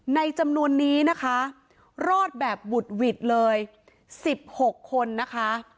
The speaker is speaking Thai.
จำนวนนี้นะคะรอดแบบบุดหวิดเลย๑๖คนนะคะ